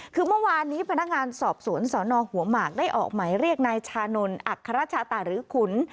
คือเมื่อวานนี้พนักงานสอบสวนสนหัวหมากได้ออกหมายเรียกนายชานนท์อัครชาตาหรือขุน